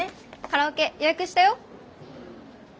カラオケ予約したよ。